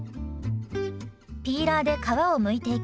ピーラーで皮をむいていきます。